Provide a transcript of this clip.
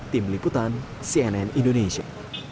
tim liputan cnn indonesia